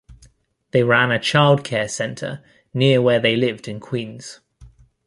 They ran a child-care center near where they lived in Queens.